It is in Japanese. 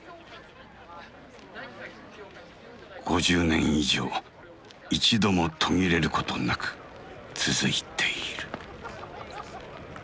５０年以上一度も途切れることなく続いている。